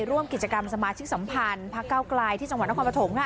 ร่วมกิจกรรมสมาชิกสัมพันธ์พระเก้าไกลที่จังหวัดนครปฐมค่ะ